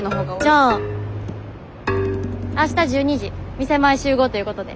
じゃあ明日１２時店前集合ということで。